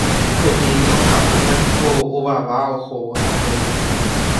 Peteĩ oka'úvaniko ovava ohóvo tapére